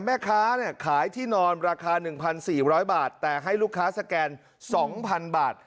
แม่ค้าขายที่นอนราคา๑๔๐๐บาทแต่ให้ลูกค้าสแกน๒๐๐๐บาท